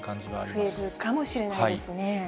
増えるかもしれないですね。